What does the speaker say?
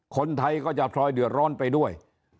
คนไทยก็จะพลอยเดือดร้อนไปด้วย